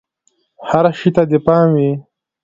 هر شي ته دې پام وي!